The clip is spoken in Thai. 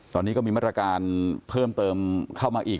ตอนนี้ก็มีมาตรการเพิ่มเติมเข้ามาอีก